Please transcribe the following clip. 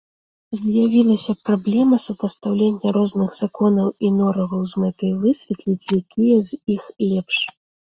З'явілася праблема супастаўлення розных законаў і нораваў з мэтай высветліць, якія з іх лепш.